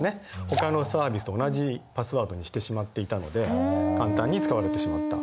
ほかのサービスと同じパスワードにしてしまっていたので簡単に使われてしまった。